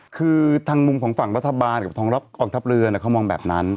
คือทางมุมของฝั่งประธบาลกับทองรับองค์ทัพเรือนะเขามองแบบนั้น